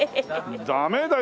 ダメだよ。